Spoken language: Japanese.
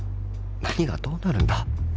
何がどうなるんだ？